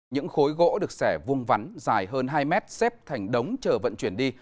những khối gỗ được xẻ vuông vắn dài hơn hai mét xếp thành đống chờ vận chuyển đi